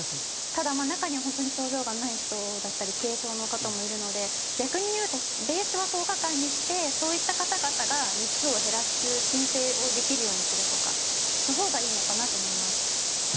ただまあ中には本当に症状がない人だったり軽症の方もいるので逆にいうとベースは１０日間にしてそういった方々が日数を減らす申請をできるようにするとかのほうがいいのかなと思います。